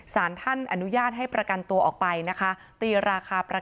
ส่วนช่วงเวลาที่เศร้าที่สุดก็นี่แหละครับ